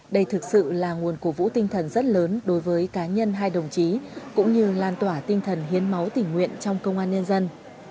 đây thực sự là nguồn cổ vũ tinh thần rất lớn đối với cá nhân hai đồng chí cũng như lan tỏa tinh thần hiến máu tỉnh nguyện trong công an nhân dân